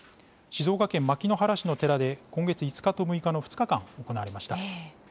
静岡県牧之原市の寺で今月５日と６日の２日間、行われました。